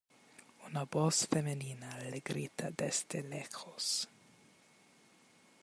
una voz femenina le grita desde lejos: